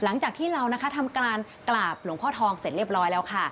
หลังจากที่เรานะคะทำการกราบหลวงพ่อทองเสร็จเรียบร้อยแล้วค่ะ